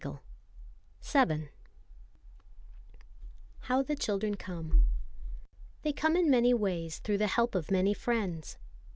CHAPTER VII How the Children Come THEY come in many ways through the help of many friends.